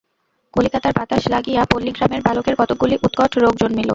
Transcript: কলিকাতার বাতাস লাগিয়া পল্লীগ্রামের বালকের কতকগুলি উৎকট রোগ জন্মিল।